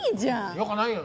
よくないよ！